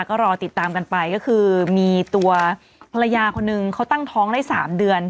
ก็รอติดตามกันไปก็คือมีตัวภรรยาคนนึงเขาตั้งท้องได้๓เดือน